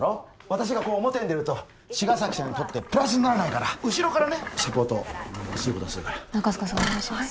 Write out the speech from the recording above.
私が表に出ると茅ヶ崎さんにとってプラスにならないから後ろからねサポートすることにするから中塚さんお願いします